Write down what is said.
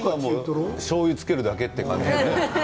しょうゆつけるだけっていう感じ。